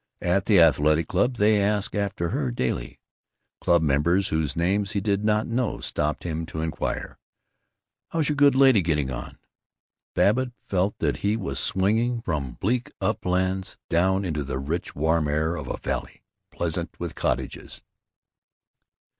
At the Athletic Club they asked after her daily. Club members whose names he did not know stopped him to inquire, "How's your good lady getting on?" Babbitt felt that he was swinging from bleak uplands down into the rich warm air of a valley pleasant with cottages.